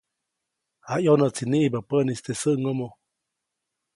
Jayʼonäʼtsi niʼibä päʼnis teʼ säʼŋomo.